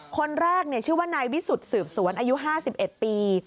คนแรกชื่อว่านายวิสุทธิ์สืบสวนอายุ๕๑ปี